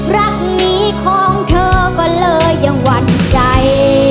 รักนี้ของเธอก็เลยยังหวั่นใจ